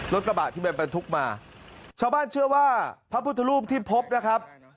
รถกระบะที่มันบรรทุกมาชาวบ้านเชื่อว่าพระพุทธรูปที่พบนะครับ